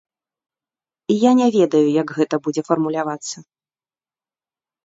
Я не ведаю, як гэта будзе фармулявацца.